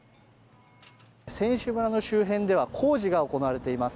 選手村の周辺では工事が行われています。